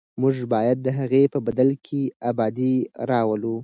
موږ به د هغې په بدل کې ابادي راولو.